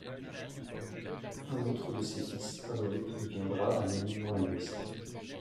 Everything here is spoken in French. Un autre de ses fils, Adolphe, deviendra un éminent linguiste.